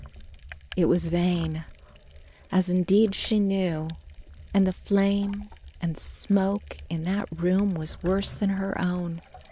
It was vain, as indeed she knew, and the flame and smoke in that room was worse than her own.